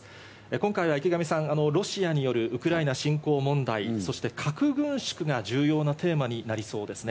今回は池上さん、ロシアによるウクライナ侵攻問題、そして核軍縮が重要なテーマになりそうですね。